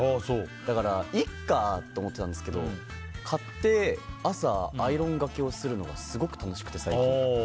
だから、いいかと思ってたんですけど買って朝アイロンがけをするのがすごく楽しくて、最近。